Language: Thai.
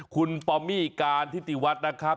คุณปอมมี่การทิติวัฒน์นะครับ